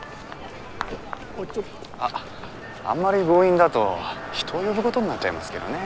あっあんまり強引だと人を呼ぶことになっちゃいますけどね。